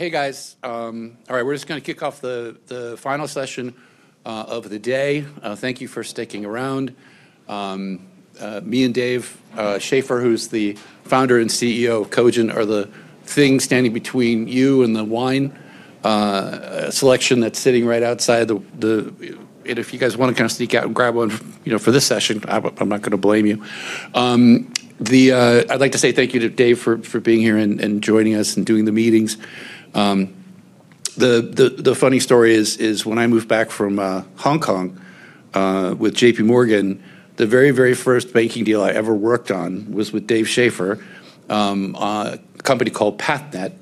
Hey guys, all right, we're just gonna kick off the final session of the day. Thank you for sticking around. Me and Dave Schaeffer, who's the Founder and CEO of Cogent, are the thing standing between you and the wine selection that's sitting right outside. If you guys wanna kinda sneak out and grab one, you know, for this session, I'm not gonna blame you. I'd like to say thank you to Dave for being here and joining us and doing the meetings. The funny story is when I moved back from Hong Kong with JP Morgan, the very first banking deal I ever worked on was with Dave Schaeffer, a company called PathNet,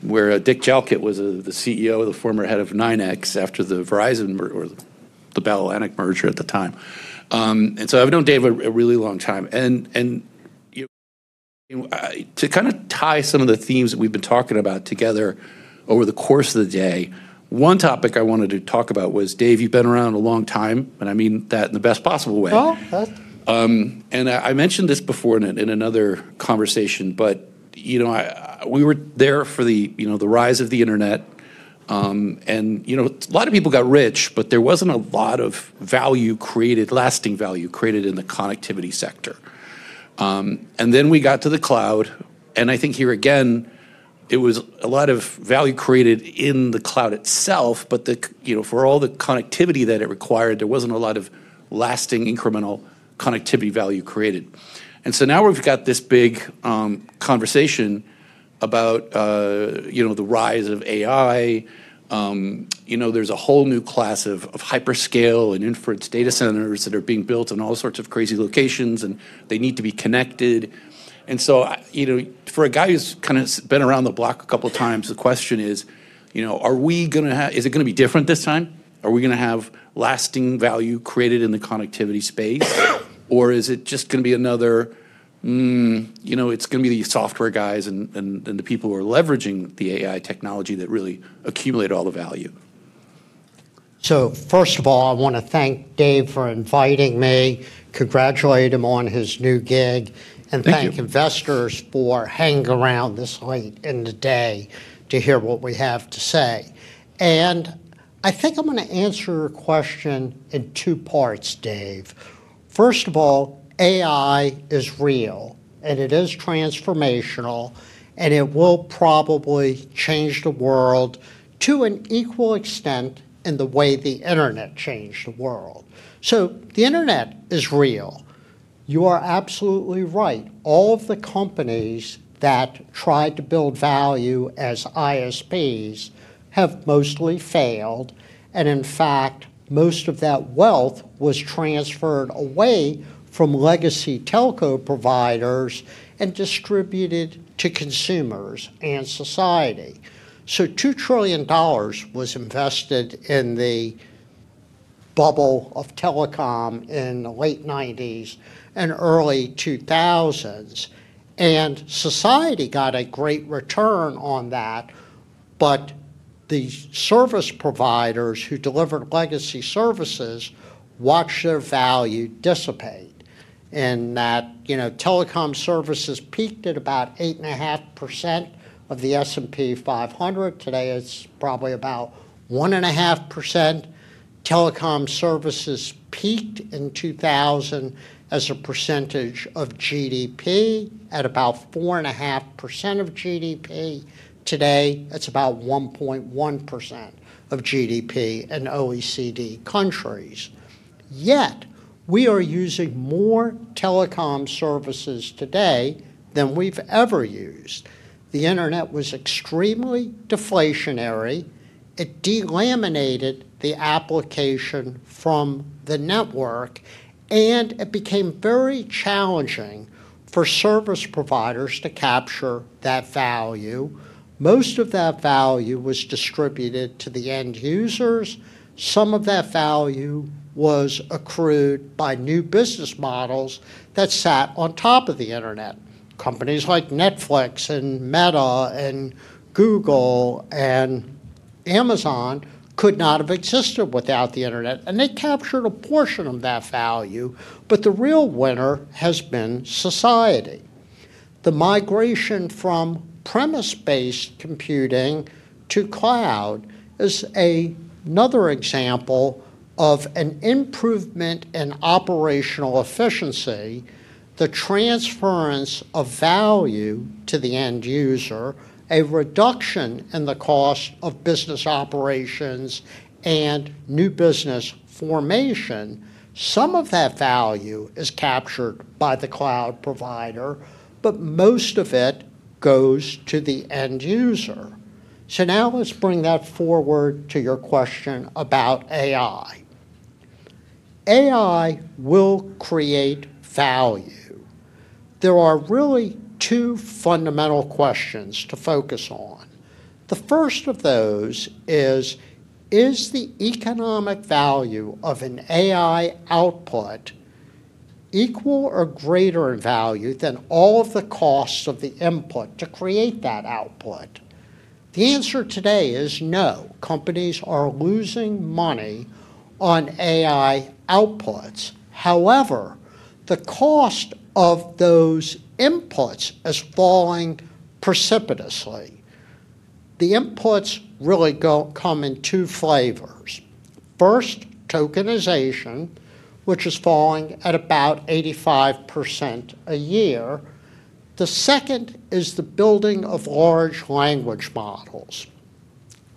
where Richard Jalkut was the CEO, the former head of NYNEX after the Bell Atlantic merger at the time. I've known Dave a really long time. You know, to kinda tie some of the themes that we've been talking about together over the course of the day, one topic I wanted to talk about was, Dave, you've been around a long time, and I mean that in the best possible way. Oh, that- I mentioned this before in another conversation, but you know, we were there for you know, the rise of the Internet, and you know, a lot of people got rich, but there wasn't a lot of value created, lasting value created in the connectivity sector. Then we got to the cloud, and I think here again, it was a lot of value created in the cloud itself, but you know, for all the connectivity that it required, there wasn't a lot of lasting incremental connectivity value created. Now we've got this big conversation about you know, the rise of AI. You know, there's a whole new class of hyperscale and inference data centers that are being built in all sorts of crazy locations, and they need to be connected. You know, for a guy who's kinda been around the block a couple times, the question is, you know, Is it gonna be different this time? Are we gonna have lasting value created in the connectivity space? Or is it just gonna be another, you know, it's gonna be the software guys and the people who are leveraging the AI technology that really accumulate all the value. First of all, I wanna thank Dave for inviting me, congratulate him on his new gig. Thank you. Thank investors for hanging around this late in the day to hear what we have to say. I think I'm gonna answer your question in two parts, Dave. First of all, AI is real, and it is transformational, and it will probably change the world to an equal extent in the way the internet changed the world. The internet is real. You are absolutely right. All of the companies that tried to build value as ISPs have mostly failed, and in fact, most of that wealth was transferred away from legacy telco providers and distributed to consumers and society. $2 trillion was invested in the bubble of telecom in the late 1990s and early 2000s, and society got a great return on that. The service providers who delivered legacy services watched their value dissipate in that, you know, telecom services peaked at about 8.5% of the S&P 500. Today it's probably about 1.5%. Telecom services peaked in 2000 as a percentage of GDP at about 4.5% of GDP. Today, it's about 1.1% of GDP in OECD countries. Yet, we are using more telecom services today than we've ever used. The internet was extremely deflationary. It delaminated the application from the network, and it became very challenging for service providers to capture that value. Most of that value was distributed to the end users. Some of that value was accrued by new business models that sat on top of the internet. Companies like Netflix and Meta and Google and Amazon could not have existed without the internet, and they captured a portion of that value, but the real winner has been society. The migration from premise-based computing to cloud is another example of an improvement in operational efficiency, the transference of value to the end user, a reduction in the cost of business operations, and new business formation. Some of that value is captured by the cloud provider, but most of it goes to the end user. Now let's bring that forward to your question about AI. AI will create value. There are really two fundamental questions to focus on. The first of those is the economic value of an AI output equal or greater in value than all of the costs of the input to create that output? The answer today is no. Companies are losing money on AI outputs. However, the cost of those inputs is falling precipitously. The inputs really come in two flavors. First, tokenization, which is falling at about 85% a year. The second is the building of large language models.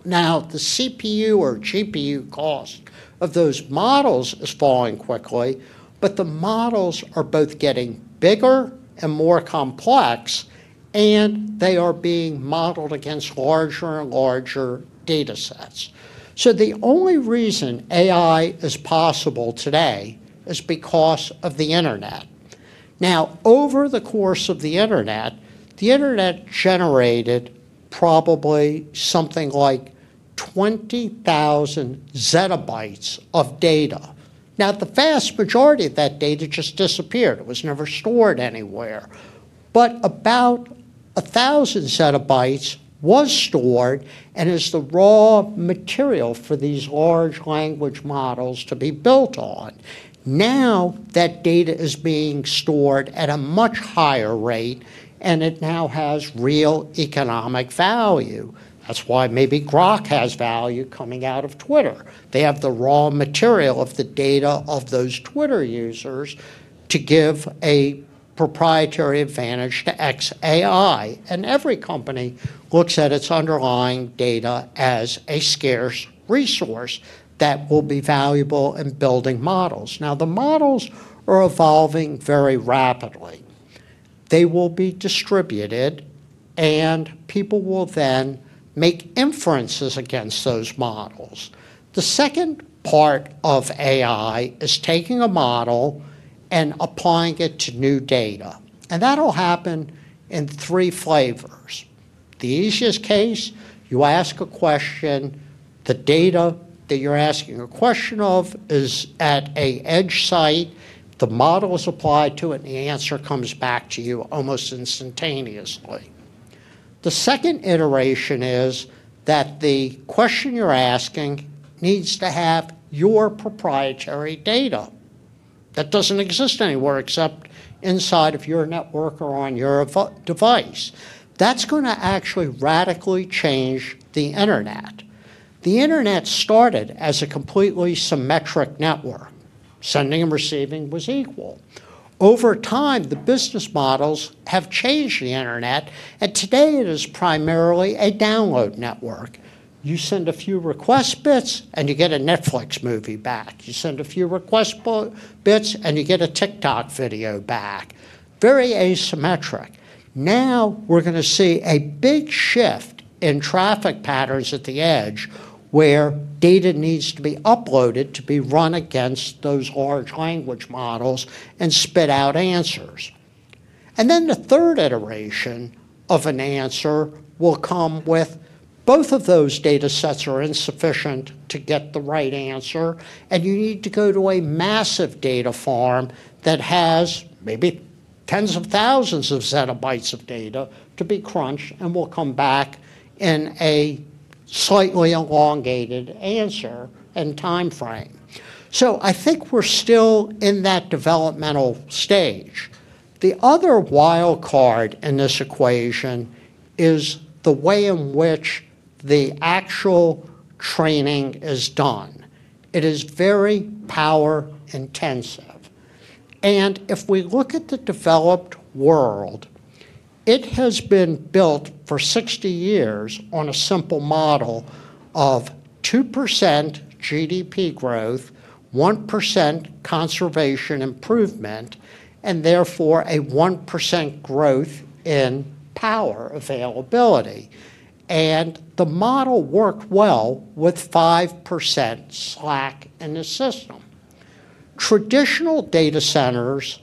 Now, the CPU or GPU cost of those models is falling quickly, but the models are both getting bigger and more complex, and they are being modeled against larger and larger datasets. The only reason AI is possible today is because of the internet. Now, over the course of the internet, the internet generated probably something like 20,000 zettabytes of data. Now, the vast majority of that data just disappeared. It was never stored anywhere. About 1,000 zettabytes was stored and is the raw material for these large language models to be built on. Now, that data is being stored at a much higher rate, and it now has real economic value. That's why maybe Grok has value coming out of Twitter. They have the raw material of the data of those Twitter users to give a proprietary advantage to xAI. Every company looks at its underlying data as a scarce resource that will be valuable in building models. Now, the models are evolving very rapidly. They will be distributed, and people will then make inferences against those models. The second part of AI is taking a model and applying it to new data, and that'll happen in three flavors. The easiest case, you ask a question, the data that you're asking a question of is at an edge site, the model is applied to it, and the answer comes back to you almost instantaneously. The second iteration is that the question you're asking needs to have your proprietary data that doesn't exist anywhere except inside of your network or on your dev device. That's gonna actually radically change the internet. The internet started as a completely symmetric network. Sending and receiving was equal. Over time, the business models have changed the internet, and today it is primarily a download network. You send a few request bits, and you get a Netflix movie back. You send a few request bits, and you get a TikTok video back. Very asymmetric. Now, we're gonna see a big shift in traffic patterns at the edge, where data needs to be uploaded to be run against those large language models and spit out answers. The third iteration of an answer will come with both of those datasets are insufficient to get the right answer, and you need to go to a massive data farm that has maybe tens of thousands of zettabytes of data to be crunched and will come back in a slightly elongated answer and timeframe. I think we're still in that developmental stage. The other wild card in this equation is the way in which the actual training is done. It is very power-intensive. If we look at the developed world, it has been built for 60 years on a simple model of 2% GDP growth, 1% conservation improvement, and therefore a 1% growth in power availability. The model worked well with 5% slack in the system. Traditional data centers,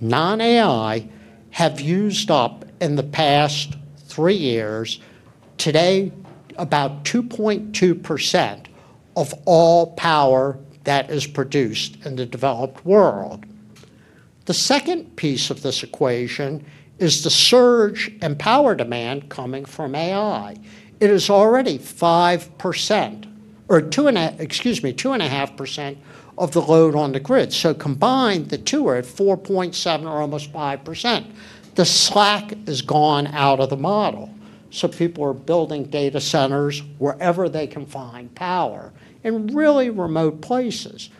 non-AI, have used up, in the past three years, today, about 2.2% of all power that is produced in the developed world. The second piece of this equation is the surge in power demand coming from AI. It is already 5% or, excuse me, 2.5% of the load on the grid. Combined, the two are at 4.7% or almost 5%. The slack is gone out of the model, so people are building data centers wherever they can find power in really remote places.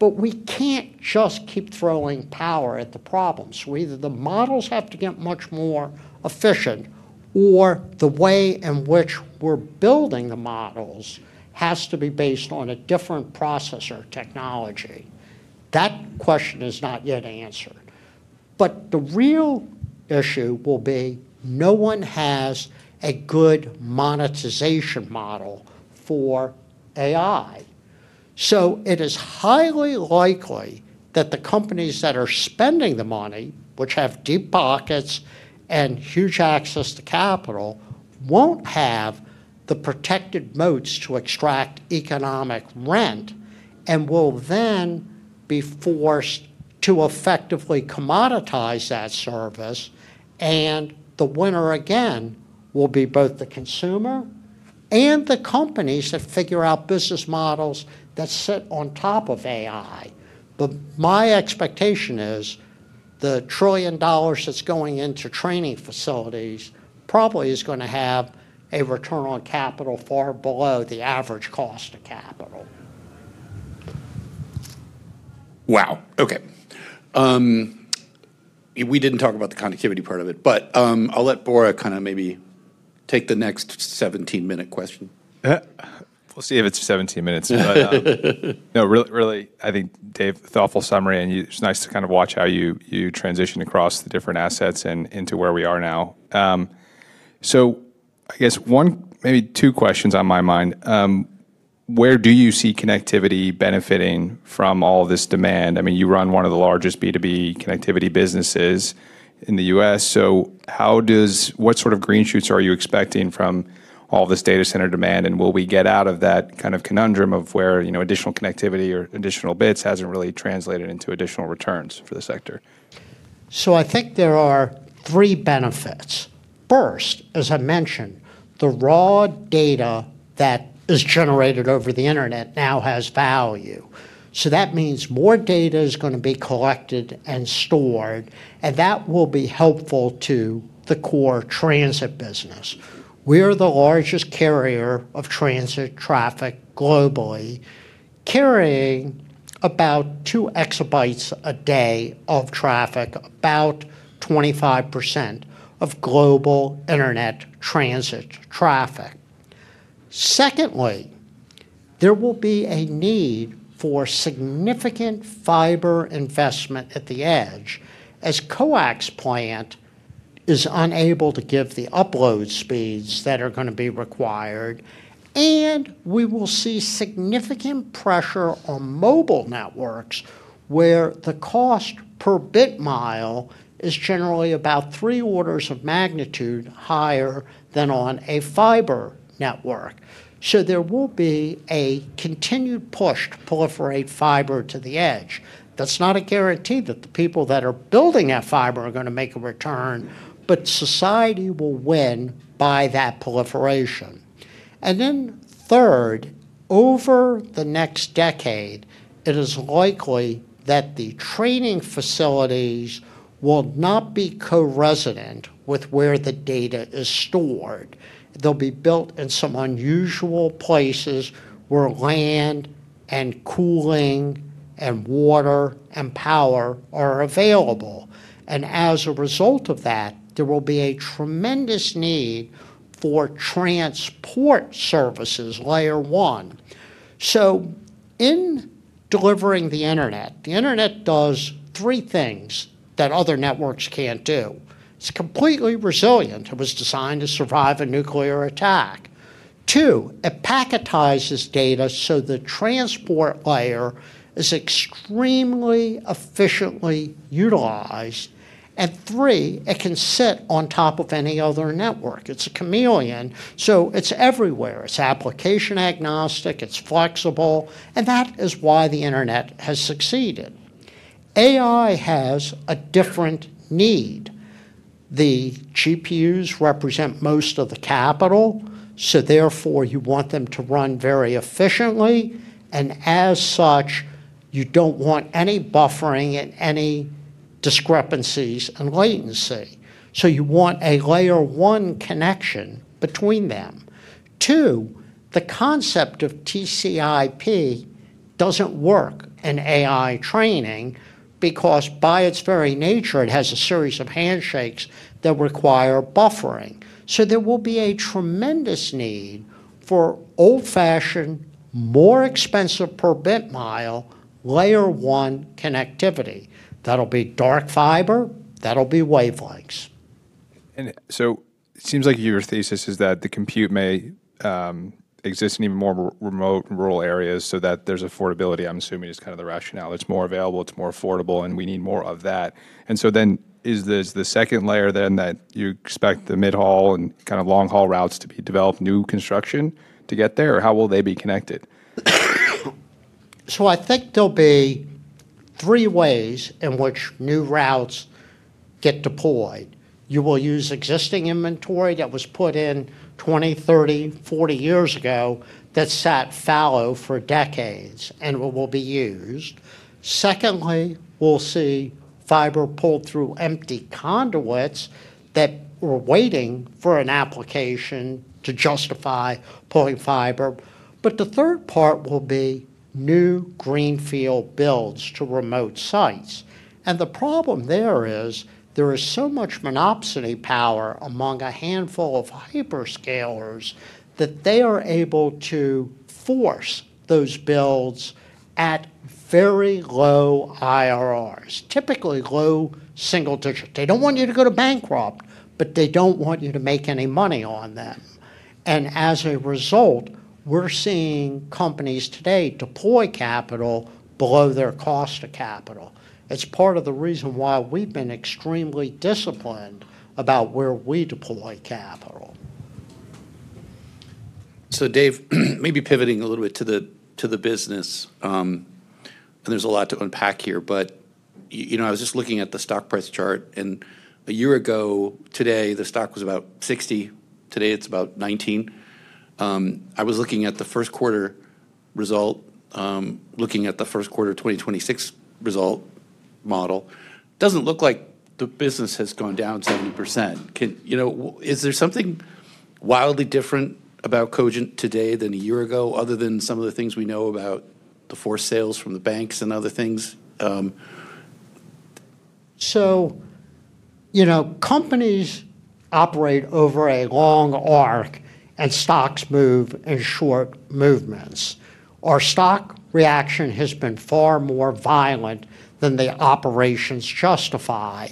We can't just keep throwing power at the problems. The models have to get much more efficient, or the way in which we're building the models has to be based on a different processor technology. That question is not yet answered. The real issue will be no one has a good monetization model for AI. It is highly likely that the companies that are spending the money, which have deep pockets and huge access to capital, won't have the protected moats to extract economic rent and will then be forced to effectively commoditize that service, and the winner again will be both the consumer and the companies that figure out business models that sit on top of AI. My expectation is the $1 trillion that's going into training facilities probably is gonna have a return on capital far below the average cost of capital. Wow, okay. We didn't talk about the connectivity part of it, but I'll let Bora kind of maybe take the next 17-minute question. We'll see if it's 17 minutes. Really, I think, Dave, thoughtful summary, and it's nice to kind of watch how you transition across the different assets and into where we are now. I guess one, maybe two questions on my mind. Where do you see connectivity benefiting from all this demand? I mean, you run one of the largest B2B connectivity businesses in the U.S., so what sort of green shoots are you expecting from all this data center demand? And will we get out of that kind of conundrum where, you know, additional connectivity or additional bits hasn't really translated into additional returns for the sector? I think there are three benefits. First, as I mentioned, the raw data that is generated over the internet now has value, so that means more data is gonna be collected and stored, and that will be helpful to the core transit business. We're the largest carrier of transit traffic globally, carrying about 2 EB a day of traffic, about 25% of global internet transit traffic. Secondly, there will be a need for significant fiber investment at the edge as coax plant is unable to give the upload speeds that are gonna be required. We will see significant pressure on mobile networks, where the cost per bit mile is generally about three orders of magnitude higher than on a fiber network. There will be a continued push to proliferate fiber to the edge. That's not a guarantee that the people that are building that fiber are gonna make a return, but society will win by that proliferation. Then third, over the next decade, it is likely that the training facilities will not be co-resident with where the data is stored. They'll be built in some unusual places where land and cooling and water and power are available. As a result of that, there will be a tremendous need for transport services, Layer one. In delivering the internet, the internet does three things that other networks can't do. It's completely resilient. It was designed to survive a nuclear attack. two, it packetizes data, so the transport layer is extremely efficiently utilized. three, it can sit on top of any other network. It's a chameleon, so it's everywhere. It's application agnostic, it's flexible, and that is why the internet has succeeded. AI has a different need. The GPUs represent most of the capital, so therefore, you want them to run very efficiently, and as such, you don't want any buffering and any discrepancies and latency. You want a Layer one connection between them. Two, the concept of TCP/IP doesn't work in AI training because by its very nature it has a series of handshakes that require buffering. There will be a tremendous need for old-fashioned, more expensive per bit mile, Layer one connectivity. That'll be dark fiber, that'll be wavelengths. It seems like your thesis is that the compute may exist in even more remote rural areas so that there's affordability, I'm assuming, is kind of the rationale. It's more available, it's more affordable, and we need more of that. Is this the second layer that you expect the mid-haul and kind of long-haul routes to be developed, new construction to get there? Or how will they be connected? I think there'll be three ways in which new routes get deployed. You will use existing inventory that was put in 20, 30, 40 years ago that sat fallow for decades and will be used. Secondly, we'll see fiber pulled through empty conduits that were waiting for an application to justify pulling fiber. The third part will be new greenfield builds to remote sites. The problem there is, there is so much monopsony power among a handful of hyperscalers that they are able to force those builds at very low IRRs, typically low single digits. They don't want you to go bankrupt, but they don't want you to make any money on them. As a result, we're seeing companies today deploy capital below their cost of capital. It's part of the reason why we've been extremely disciplined about where we deploy capital. Dave, maybe pivoting a little bit to the business, and there's a lot to unpack here. You know, I was just looking at the stock price chart, and a year ago today, the stock was about $60. Today, it's about $19. I was looking at the first quarter result. Looking at the first quarter of 2026 result model. Doesn't look like the business has gone down 70%. You know, is there something wildly different about Cogent today than a year ago, other than some of the things we know about the forced sales from the banks and other things? You know, companies operate over a long arc, and stocks move in short movements. Our stock reaction has been far more violent than the operations justify.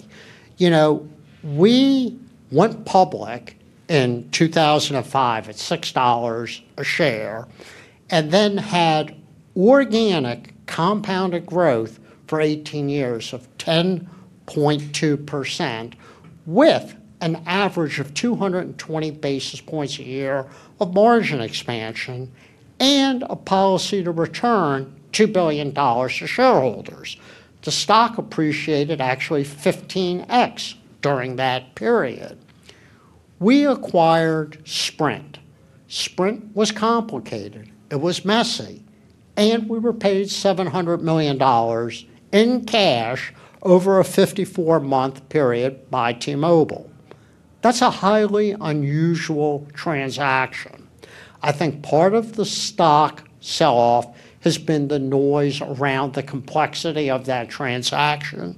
You know, we went public in 2005 at $6 a share and then had organic compounded growth for 18 years of 10.2% with an average of 220 basis points a year of margin expansion and a policy to return $2 billion to shareholders. The stock appreciated actually 15x during that period. We acquired Sprint. Sprint was complicated, it was messy, and we were paid $700 million in cash over a 54-month period by T-Mobile. That's a highly unusual transaction. I think part of the stock sell-off has been the noise around the complexity of that transaction,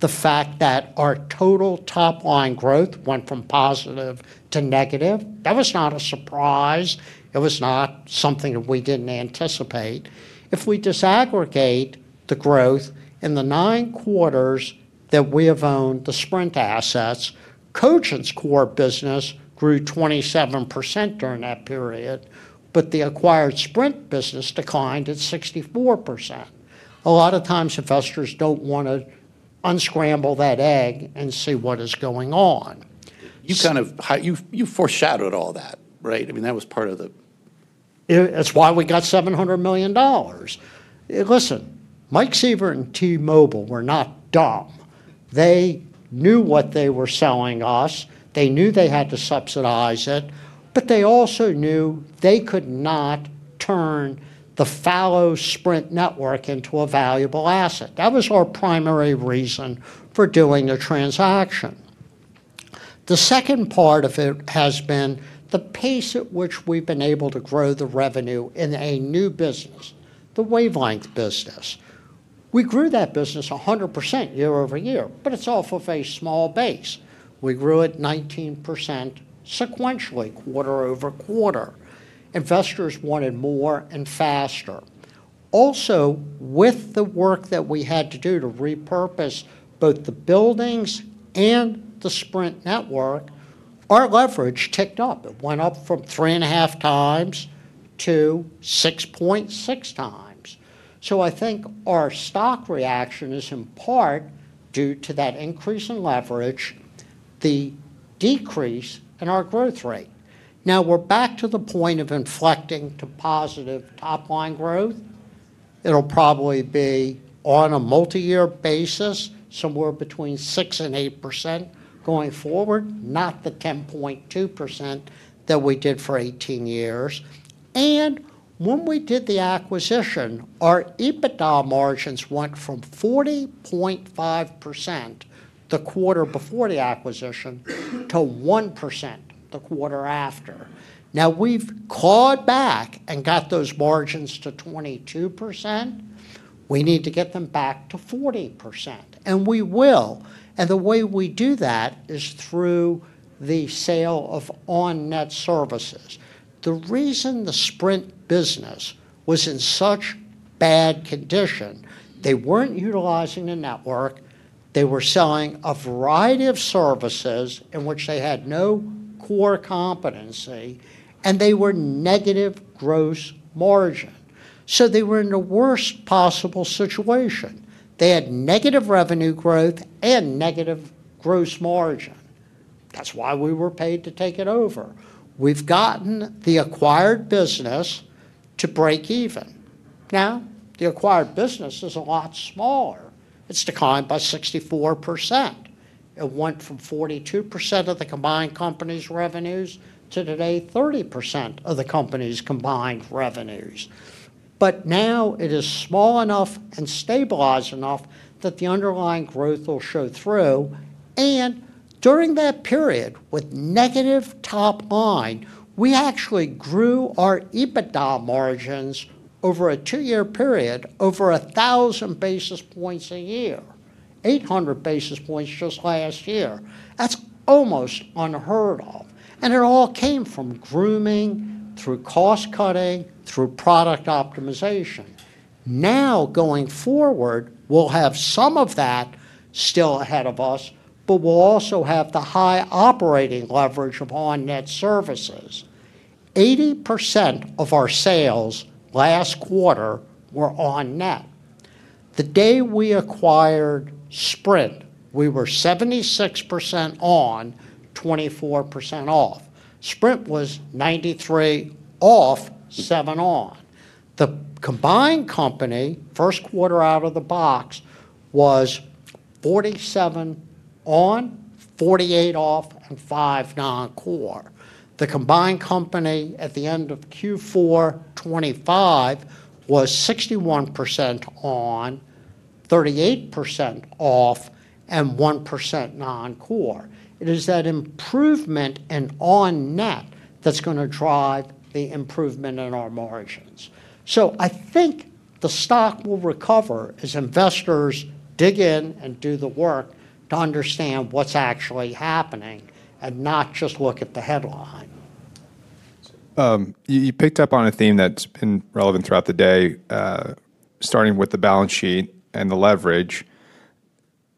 the fact that our total top-line growth went from positive to negative. That was not a surprise. It was not something that we didn't anticipate. If we disaggregate the growth in the nine quarters that we have owned the Sprint assets, Cogent's core business grew 27% during that period, but the acquired Sprint business declined at 64%. A lot of times, investors don't wanna unscramble that egg and see what is going on. You foreshadowed all that, right? I mean, that was part of the It's why we got $700 million. Listen, Mike Sievert and T-Mobile were not dumb. They knew what they were selling us. They knew they had to subsidize it, but they also knew they could not turn the fallow Sprint network into a valuable asset. That was our primary reason for doing a transaction. The second part of it has been the pace at which we've been able to grow the revenue in a new business, the Wavelength business. We grew that business 100% year-over-year, but it's off of a small base. We grew it 19% sequentially, quarter-over-quarter. Investors wanted more and faster. Also, with the work that we had to do to repurpose both the buildings and the Sprint network, our leverage ticked up. It went up from 3.5 times to 6.6 times. I think our stock reaction is in part due to that increase in leverage, the decrease in our growth rate. Now we're back to the point of inflecting to positive top-line growth. It'll probably be on a multi-year basis, somewhere between 6% and 8% going forward, not the 10.2% that we did for 18 years. When we did the acquisition, our EBITDA margins went from 40.5% the quarter before the acquisition to 1% the quarter after. Now we've clawed back and got those margins to 22%. We need to get them back to 40%, and we will. The way we do that is through the sale of on-net services. The reason the Sprint business was in such bad condition, they weren't utilizing the network, they were selling a variety of services in which they had no core competency, and they were negative gross margin. They were in the worst possible situation. They had negative revenue growth and negative gross margin. That's why we were paid to take it over. We've gotten the acquired business to break even. Now, the acquired business is a lot smaller. It's declined by 64%. It went from 42% of the combined company's revenues to today 30% of the company's combined revenues. Now it is small enough and stabilized enough that the underlying growth will show through. During that period, with negative top line, we actually grew our EBITDA margins over a two-year period over 1,000 basis points a year. 800 basis points just last year. That's almost unheard of. It all came from grooming, through cost-cutting, through product optimization. Now, going forward, we'll have some of that still ahead of us, but we'll also have the high operating leverage of on-net services. 80% of our sales last quarter were on-net. The day we acquired Sprint, we were 76% on-net, 24% off-net. Sprint was 93% off-net, 7% on-net. The combined company, first quarter out of the box, was 47% on-net, 48% off-net, and 5% non-core. The combined company at the end of Q4 2025 was 61% on-net, 38% off-net, and 1% non-core. It is that improvement in on-net that's gonna drive the improvement in our margins. I think the stock will recover as investors dig in and do the work to understand what's actually happening and not just look at the headline. You picked up on a theme that's been relevant throughout the day, starting with the balance sheet and the leverage.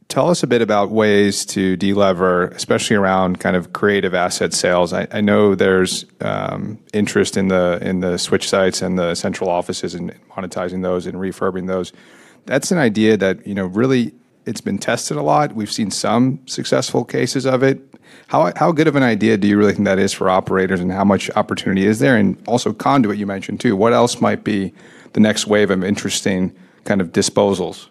Tell us a bit about ways to delever, especially around kind of creative asset sales. I know there's interest in the switch sites and the central offices and monetizing those and refurbing those. That's an idea that, you know, really it's been tested a lot. We've seen some successful cases of it. How good of an idea do you really think that is for operators, and how much opportunity is there? Also, conduit you mentioned too. What else might be the next wave of interesting kind of disposals?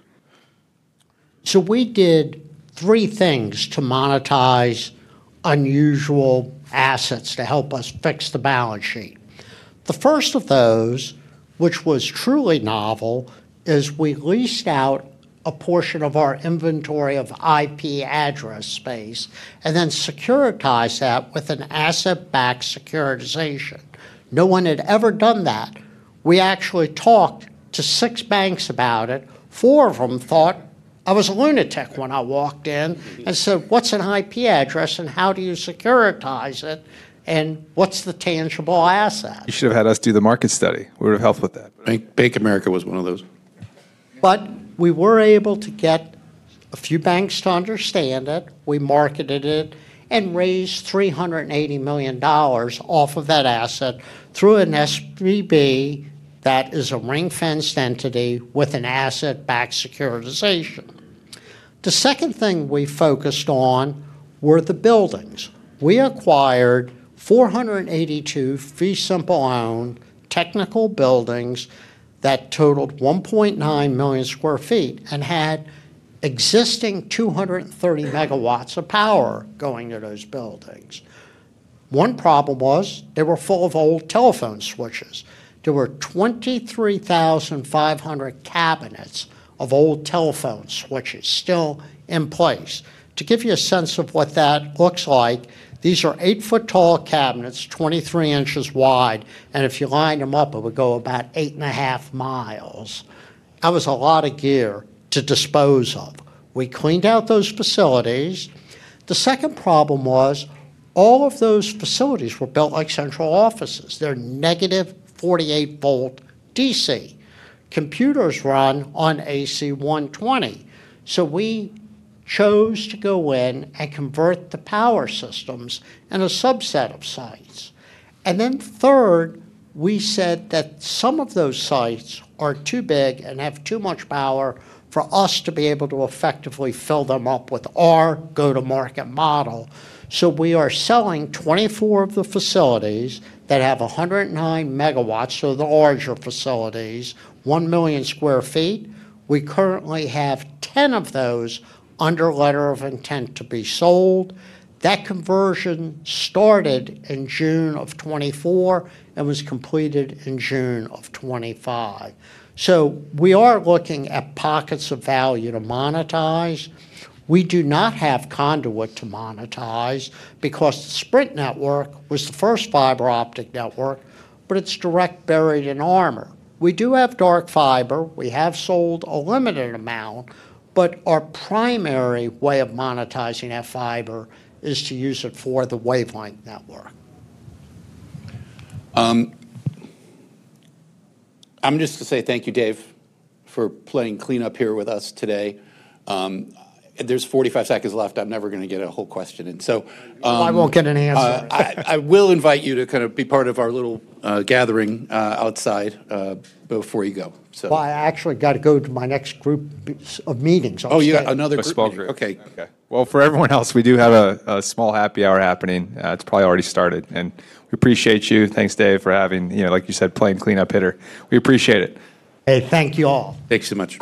We did three things to monetize unusual assets to help us fix the balance sheet. The first of those, which was truly novel, is we leased out a portion of our inventory of IP address space and then securitized that with an asset-backed securitization. No one had ever done that. We actually talked to six banks about it. Four of them thought I was a lunatic when I walked in and said, "What's an IP address and how do you securitize it, and what's the tangible asset? You should have had us do the market study. We would've helped with that. Bank of America was one of those. We were able to get a few banks to understand it. We marketed it and raised $380 million off of that asset through an SPV that is a ring-fenced entity with an asset-backed securitization. The second thing we focused on were the buildings. We acquired 482 fee simple owned technical buildings that totaled 1.9 million sq ft and had existing 230 MW of power going to those buildings. One problem was they were full of old telephone switches. There were 23,500 cabinets of old telephone switches still in place. To give you a sense of what that looks like, these are eight-foot-tall cabinets, 23 inches wide, and if you lined them up, it would go about 8.5 miles. That was a lot of gear to dispose of. We cleaned out those facilities. The second problem was all of those facilities were built like central offices. They're -48 V DC. Computers run on AC 120. We chose to go in and convert the power systems in a subset of sites. Third, we said that some of those sites are too big and have too much power for us to be able to effectively fill them up with our go-to-market model. We are selling 24 of the facilities that have 109 MW, so the larger facilities, 1 million sq ft. We currently have 10 of those under letter of intent to be sold. That conversion started in June 2024 and was completed in June 2025. We are looking at pockets of value to monetize. We do not have conduit to monetize because Sprint network was the first fiber optic network, but it's direct buried in armor. We do have dark fiber. We have sold a limited amount, but our primary way of monetizing that fiber is to use it for the Wavelength network. I'm just gonna say thank you, Dave, for playing cleanup here with us today. There's 45 seconds left. I'm never gonna get a whole question in, so, I won't get any answer. I will invite you to kind of be part of our little gathering outside before you go, so. Well, I actually gotta go to my next group of meetings on site. Oh, you have another group. A small group. Okay. Okay. Well, for everyone else, we do have a small happy hour happening. It's probably already started, and we appreciate you. Thanks, Dave, for having you know, like you said, playing cleanup hitter. We appreciate it. Hey, thank you all. Thanks so much.